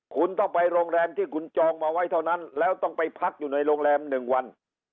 คุณต้องไปโรงแรมที่คุณจองมาไว้เท่านั้นแล้วต้องไปพักอยู่ในโรงแรม๑วัน